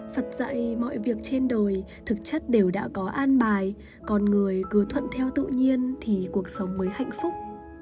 phật dạy mọi việc trên đồi thực chất đều đã có an bài còn người cứ thuận theo tự nhiên thì cuộc sống mới hạnh phúc